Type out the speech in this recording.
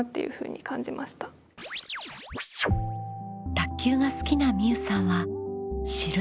卓球が好きなみうさんは「知る」